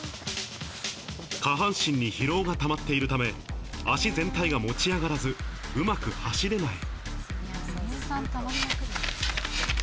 下半身に疲労がたまっているため、足全体が持ち上がらず、うまく走れない。